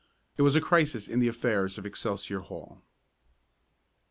It was a crisis in the affairs of Excelsior Hall.